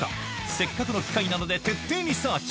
せっかくの機会なので徹底リサーチ！